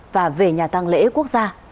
và về nhà tăng lễ quốc gia